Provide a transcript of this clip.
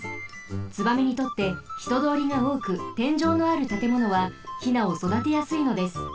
ツバメにとってひとどおりがおおくてんじょうのあるたてものはヒナをそだてやすいのです。